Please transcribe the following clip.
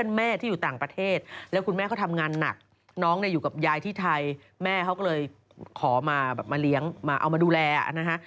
เนี่ยเขาเลยขอมาเหรียญมาดูแลนะฮะ